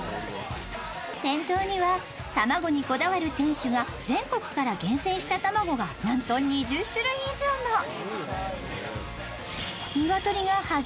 店頭には卵にこだわる店主が全国から厳選した卵がなんと、２０種類以上も。